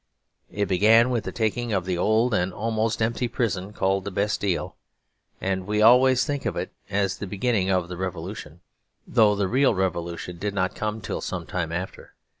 It began with the taking of the old and almost empty prison called the Bastille; and we always think of it as the beginning of the Revolution, though the real Revolution did not come till some time after.